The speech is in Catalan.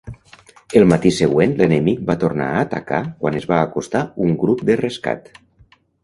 El matí següent, l'enemic va tornar a atacar quan es va acostar un grup de rescat.